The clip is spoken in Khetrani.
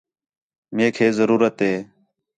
میک ہے ضرورت ہے